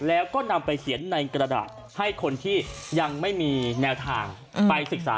แล้วก็นำไปเขียนในกระดาษให้คนที่ยังไม่มีแนวทางไปศึกษา